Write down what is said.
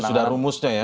itu sudah rumusnya ya